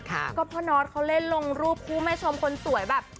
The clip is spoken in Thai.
ก็พ่อนอทเขาเล่นลงรูปคู่แม่ชมคนสวยแบบ